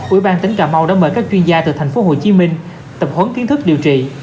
ủy ban tỉnh cà mau đã mời các chuyên gia từ thành phố hồ chí minh tập huấn kiến thức điều trị